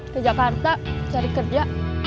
ke jakarta cari kerja